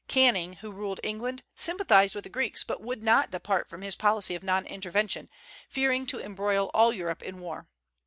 Canning, who ruled England, sympathized with the Greeks, but would not depart from his policy of non intervention, fearing to embroil all Europe in war.